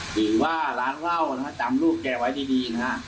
หรือว่าร้านร่าวนะครับจำรูปแก่ไว้ดีดีนะฮะ